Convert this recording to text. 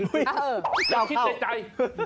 อ้าวเออข้าวเข้าแล้วคิดในใจ